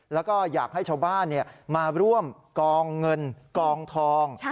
แล้วก็อยากให้ชาวบ้านมาร่วมกองเงินกองทอง